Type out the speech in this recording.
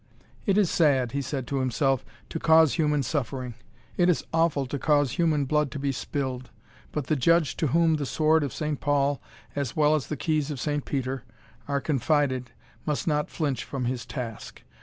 "It is sad," he said to himself, "to cause human suffering; it is awful to cause human blood to be spilled; but the judge to whom the sword of Saint Paul, as well as the keys of Saint Peter, are confided, must not flinch from his task.